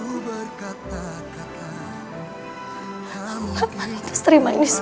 kenapa aku terima ini semua